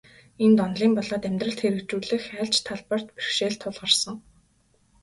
Энд, онолын болоод амьдралд хэрэгжүүлэх аль ч талбарт бэрхшээл тулгарсан.